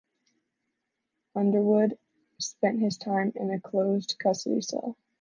Underwood spent his time in a closed custody cell.